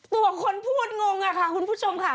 ตัวคนพูดงงอะค่ะคุณผู้ชมค่ะ